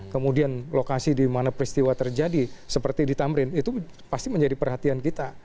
kemudian lokasi di mana peristiwa terjadi seperti di tamrin itu pasti menjadi perhatian kita